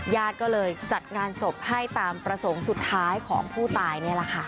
ญาติก็เลยจัดงานศพให้ตามประสงค์สุดท้ายของผู้ตายนี่แหละค่ะ